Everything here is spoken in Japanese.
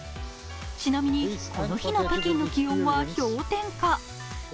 ちなみにこの日の北京の気温は氷点下。